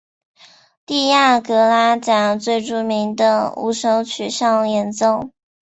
蒂亚格拉贾最著名的五首曲上演奏。